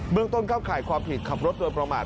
เมืองต้นเข้าข่ายความผิดขับรถโดยประมาท